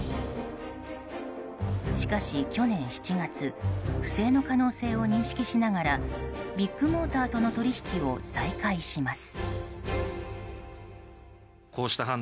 しかし、去年７月不正の可能性を認識しながらビッグモーターとの取引を再開します。